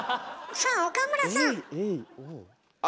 さあ岡村さん！